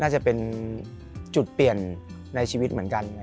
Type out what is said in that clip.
น่าจะเป็นจุดเปลี่ยนในชีวิตเหมือนกัน